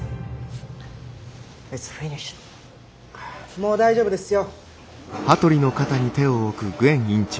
もう大丈夫ですよ。